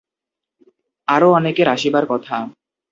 আরো অনেকের আসিবার কথা।